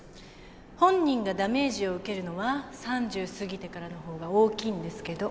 本人がダメージを受けるのは３０過ぎてからの方が大きいんですけど。